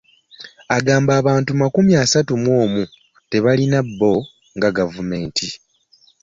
Agamba abantu makumi asatu mu omu tebalina bo nga gavumenti.